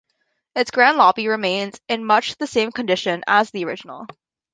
Its grand lobby remains in much the same condition as the original.